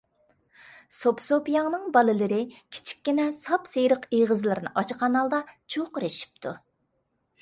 سوپىسوپىياڭنىڭ بالىلىرى كىچىككىنە ساپسېرىق ئېغىزلىرىنى ئاچقان ھالدا چۇرقىرىشىپتۇ.